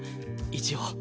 一応。